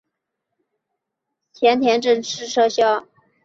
咸田镇建制撤销。